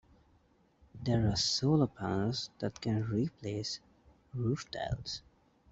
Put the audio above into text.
There are solar panels that can replace roof tiles.